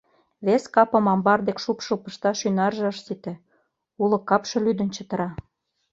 Вес капым амбар дек шупшыл пышташ ӱнарже ыш сите — уло капше лӱдын чытыра.